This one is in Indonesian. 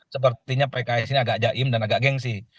sepertinya pks ini agak jaim dan agak gengsi